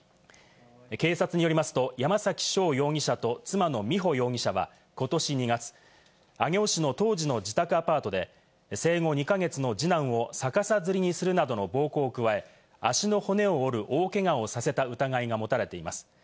警察によりますと、山崎翔容疑者と妻の美穂容疑者は今年２月、上尾市の当時の自宅アパートで、生後２か月の二男を逆さ吊りにするなどの暴行を加え、足の骨を折る大けがをさせた疑いが持たれています。